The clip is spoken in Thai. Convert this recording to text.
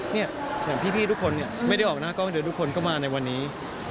อย่างพี่ทุกคนเนี่ยไม่ได้ออกหน้ากล้องเดี๋ยวทุกคนก็มาในวันนี้